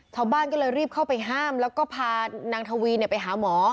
ชาวบ้านก็เลยรีบเข้าไปห้ามแล้วก็พานางทวีไปหาหมอ